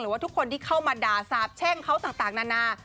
ว่าทุกคนที่เข้ามาด่าสาบแช่งเขาต่างนานา